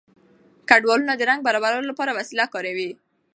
ګډونوالو د رنګ برابرولو لپاره وسیله وکاروله.